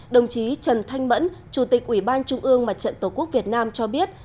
đồng chí trần thanh mẫn chủ tịch ủy ban trung ương mặt trận tổ quốc việt nam cho biết